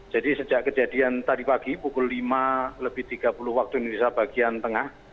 jadi sejak kejadian tadi pagi pukul lima lebih tiga puluh waktu indonesia bagian tengah